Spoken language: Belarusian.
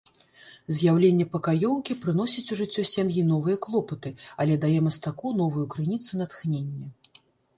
З'яўленне пакаёўкі прыносіць у жыццё сям'і новыя клопаты, але дае мастаку новую крыніцу натхнення.